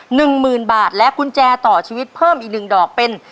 หนึ่งหมื่นบาทและกุญแจต่อชีวิตเพิ่มอีกหนึ่งดอกเป็น